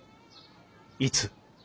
いつ？